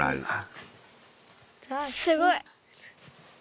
すごい。